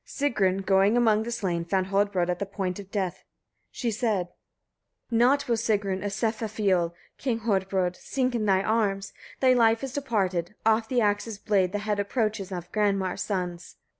Sigrun, going among the slain, found Hodbrodd at the point of death. She said: 23. Not will Sigrun of Sefafioll, King Hodbrodd! sink in thy arms: thy life is departed. Oft the axe's blade the head approaches of Granmar's sons.